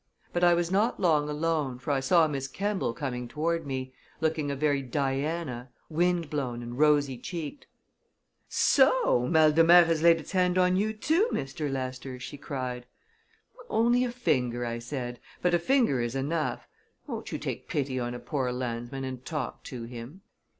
But I was not long alone, for I saw Miss Kemball coming toward me, looking a very Diana, wind blown and rosy cheeked. "So mal de mer has laid its hand on you, too, Mr. Lester!" she cried. "Only a finger," I said. "But a finger is enough. Won't you take pity on a poor landsman and talk to him?"